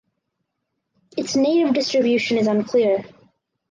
Its native distribution is unclear.